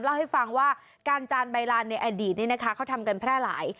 เล่าให้ฟังว่าการจานใบลานในอดีตนี้นะคะเขาทำกันแพร่หลาย